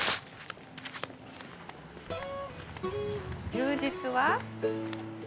休日は。